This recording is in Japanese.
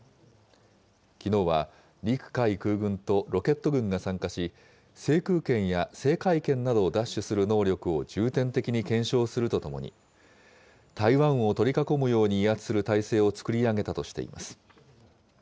きのうは陸海空軍とロケット軍が参加し、制空権や制海権などを奪取する能力を重点的に検証するとともに、台湾を取り囲むように威圧する態勢を作り上げたとしています。